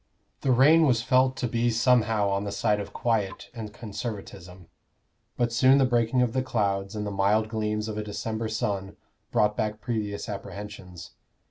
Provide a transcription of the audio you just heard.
The rain was felt to be somehow on the side of quiet and Conservatism; but soon the breaking of the clouds and the mild gleams of a December sun brought back previous apprehensions.